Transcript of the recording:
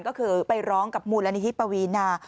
ก็คือไปร้องกับมูลนิธิปวีนา